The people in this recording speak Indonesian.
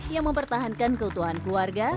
yang mempertahankan keutuhan keluarga